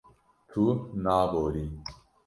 Tu naborî.